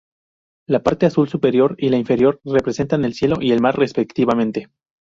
La parte azul superior y la inferior representan el cielo y el mar respectivamente.